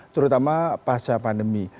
terutama pasca pandemi